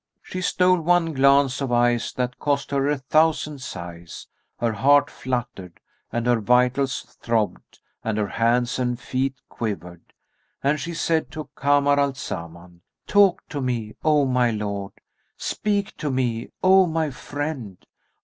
She stole one glance of eyes that cost her a thousand sighs: her heart fluttered, and her vitals throbbed and her hands and feet quivered; and she said to Kamar al Zaman "Talk to me, O my lord! Speak to me, O my friend!